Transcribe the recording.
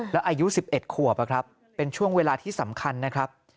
แล้วอายุ๑๑ขวบเป็นช่วงเวลาที่สำคัญนะครับ